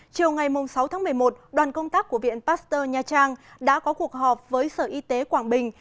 chiều ngày sáu tháng một mươi một đoàn công tác của viện pasteur nha trang đã có cuộc họp với sở y tế quảng bình